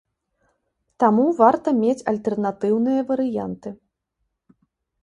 Таму варта мець альтэрнатыўныя варыянты.